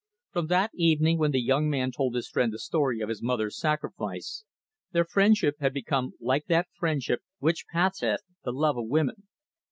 From that evening when the young man told his friend the story of his mother's sacrifice, their friendship had become like that friendship which passeth the love of women.